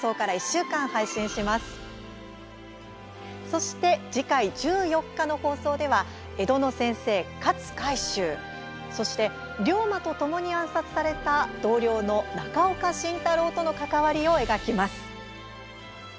そして次回１４日の放送では江戸の先生、勝海舟そして、龍馬とともに暗殺された同僚の中岡慎太郎との関わりを描きます。